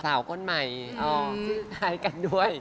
สาวคนใหม่ขึ้นท้ายกันด้วย